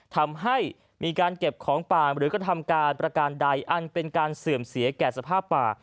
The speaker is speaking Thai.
ทำให้มีการเก็บของป่าหรือกระทำการประการใดอันเป็นการเสื่อมเสียแก่สภาพป่า